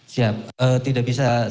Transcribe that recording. siap tidak bisa saya tunjukkan